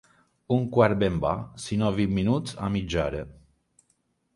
Un quart ben bo, sinó vint minuts o mitja hora.